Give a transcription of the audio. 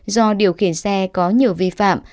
do điều khiển xe có nhiều vi phạm